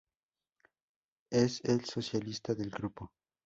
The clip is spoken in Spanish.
Es el solista del grupo.